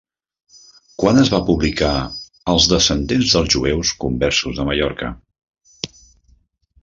Quan es va publicar Els descendents dels Jueus Conversos de Mallorca?